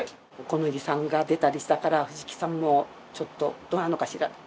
小此木さんが出たりしたから藤木さんもちょっとどうなのかしらと。